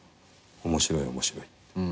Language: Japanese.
「面白い面白い。